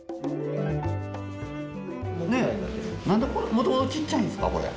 もともとちっちゃいんですかこれ。